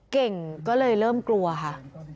เก่งก็เลยเริ่มกลัวค่ะ